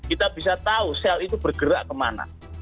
kita bisa tahu sel itu bergerak kemana